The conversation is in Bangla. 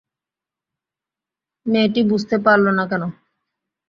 মেয়েটি বুঝতে পারল না কেন?